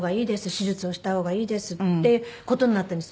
「手術をした方がいいです」っていう事になったんです。